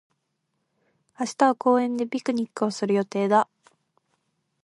明日は公園でピクニックをする予定だ。